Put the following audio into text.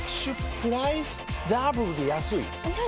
プライスダブルで安いＮｏ！